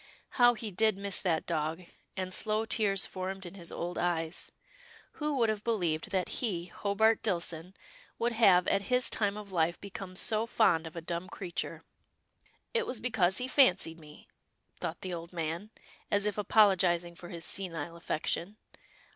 How he did miss that dog, and slow tears formed in his old eyes. Who would have believed that he, COUSIN OONAH RILEY 267 Hobart Dillson, would have, at his time of life, become so fond of a dumb creature. " It was because he fancied me," thought the old man, as if apologizing for his senile affection.